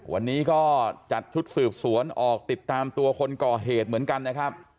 วันนี้ก็จัดชุดสืบสวนออกติดตามตัวคนก่อเหตุเหมือนกันนะครับ